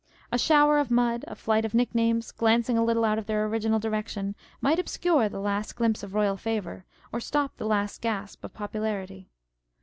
A shower of mud, a flight of nick names (glancing a little out of their original direction) might obscure the last glimpse of Royal favour, or stop the last gasp of popularity.